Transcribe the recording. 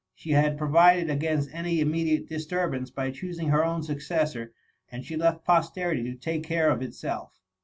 She had provided against any immediate disturbance by choosing her own successor, and she left posterity to take care of itself.